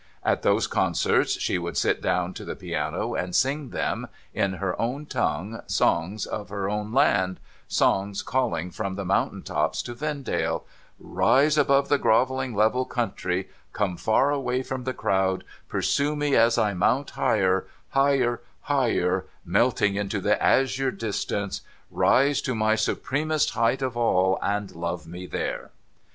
At those concerts she would sit down to the piano and sing them, in her own tongue, songs of her own land, songs calling from the mountain tops to Vendale, ' Rise above the grovelling level country ; come far away from the crowd; pursue me as I mount higher; higher, higher, melting into the azure distance ; rise to my supremest height of all, and love me here